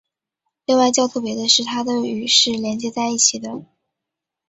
另外较特别的是它的与是连接在一起的。